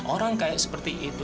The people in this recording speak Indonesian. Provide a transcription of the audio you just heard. orang kayak seperti itu